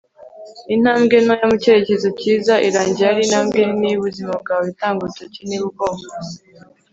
intambwe ntoya mu cyerekezo cyiza irangira ari intambwe nini y'ubuzima bwawe tanga urutoki niba ugomba